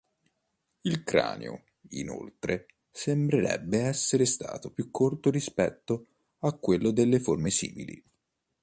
Il cranio, inoltre, sembrerebbe essere stato più corto rispetto a quello delle forme simili.